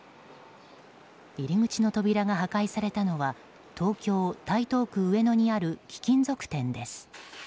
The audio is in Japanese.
入り口の扉が破壊されたのは東京・台東区上野にある貴金属店です。